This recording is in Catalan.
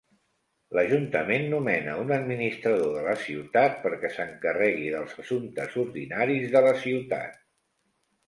L'ajuntament nomena un administrador de la ciutat perquè s'encarregui dels assumptes ordinaris de la ciutat.